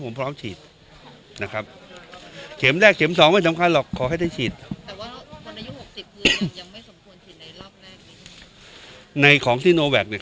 ผมพร้อมฉีด